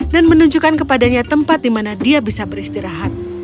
dan menunjukkan kepadanya tempat di mana dia bisa beristirahat